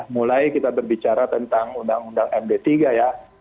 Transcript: mulai kita berbicara tentang undang undang md tiga ya